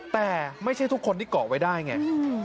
แต่ไม่ใช่ทุกคนที่เกาะไว้ได้ไง